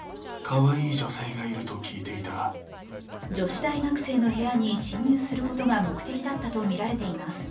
女子大学生の部屋に侵入することが目的だったとみられています。